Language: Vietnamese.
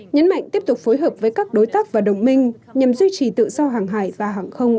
nhấn mạnh tiếp tục phối hợp với các đối tác và đồng minh nhằm duy trì tự do hàng hải và hàng không